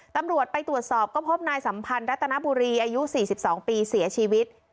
ตำรวจไปตรวจสอบก็พบนายสัมพันธ์รัตนบุรีอายุ๔๒ปีเสียชีวิต